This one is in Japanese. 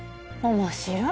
面白い。